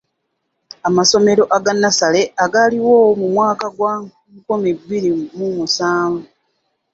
Amasomero aga nnassale agaaliwo mu mwaka gwa nkumi bbiri mu musanvu.